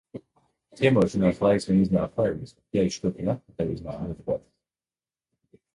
Ciemošanās laiks gan iznāk paīss, jo ceļš turp un atpakaļ iznāk ļoti garš.